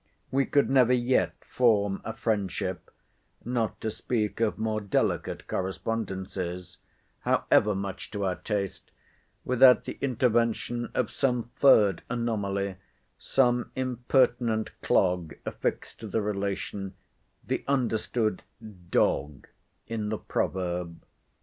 We could never yet form a friendship—not to speak of more delicate correspondences—however much to our taste, without the intervention of some third anomaly, some impertinent clog affixed to the relation—the understood dog in the proverb.